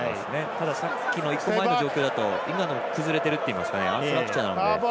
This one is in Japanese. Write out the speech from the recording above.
ただ、さっきの１個前の状況だと今のも崩れてるといいますかアンストラクチャーなので。